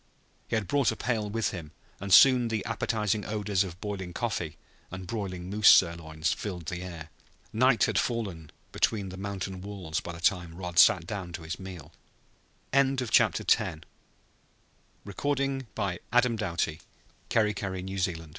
He had brought a pail with him and soon the appetizing odors of boiling coffee and broiling moose sirloin filled the air. Night had fallen between the mountain walls by the time Rod sat down to his meal. CHAPTER XI RODERICK'S DREAM A chilling loneliness now crept over